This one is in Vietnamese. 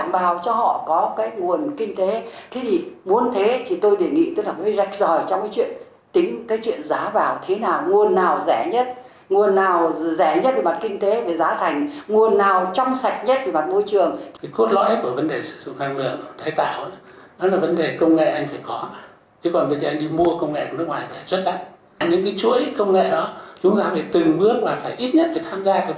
những cái chuỗi công nghệ đó chúng ta phải từng bước mà phải ít nhất phải tham gia vào một cái công đoạn nào đó